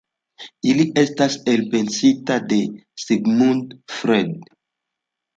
Ili estas elpensitaj de Sigmund Freud.